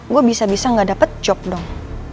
gue bisa bisa gak dapat job dong